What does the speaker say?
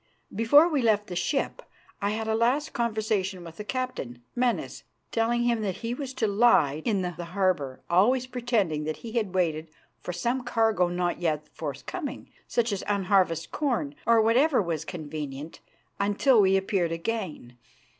Before we left the ship I had a last conversation with the captain, Menas, telling him that he was to lie in the harbour, always pretending that he waited for some cargo not yet forthcoming, such as unharvested corn, or whatever was convenient, until we appeared again.